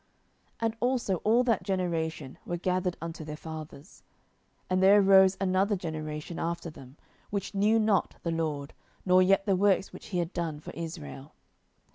07:002:010 And also all that generation were gathered unto their fathers: and there arose another generation after them, which knew not the LORD, nor yet the works which he had done for Israel.